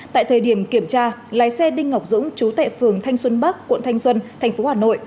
tại thời điểm kiểm tra lái xe đinh ngọc dũng chú tệ phường thanh xuân bắc quận thanh xuân tp hà nội